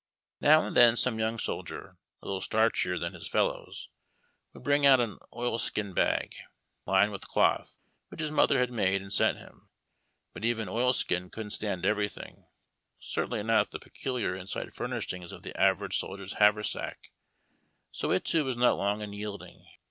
Now and then some young soldier, a little starchier than his fellows, would bring out an oil silk bag lined with cloth, which his motiier had made and sent him ; but even oil silk couldn't stand everything, certainly not the peculiar inside furnishings of tiie average soldier's haversack, so it too was not long in yielding.